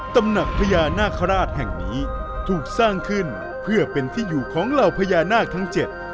ตำหนักพญานาคาราชแห่งนี้ถูกสร้างขึ้นเพื่อเป็นที่อยู่ของเหล่าพญานาคทั้งเจ็ด